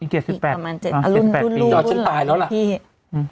อ่ออีกประมาณ๑๙๗๘ปี